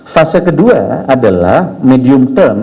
fase kedua adalah medium term